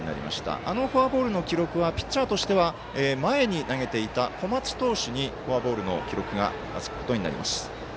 あのフォアボールの記録はピッチャーとしては前に投げていた小松投手にフォアボールの記録がつくことになります。